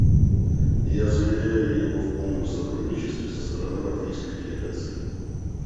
Я заверяю его в полном сотрудничестве со стороны латвийской делегации.